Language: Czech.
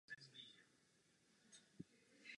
Nemusí však postihnout oba zrakové nervy.